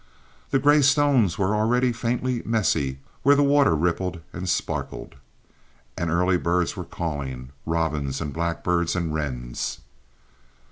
The gray stones were already faintly messy where the water rippled and sparkled, and early birds were calling—robins and blackbirds and wrens.